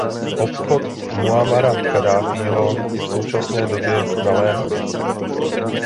Odchod Muammara Kaddáfího je v současné době naléhavý.